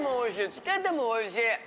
つけてもおいしい。